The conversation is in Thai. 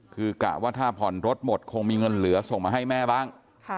คือกะว่าถ้าผ่อนรถหมดคงมีเงินเหลือส่งมาให้แม่บ้าง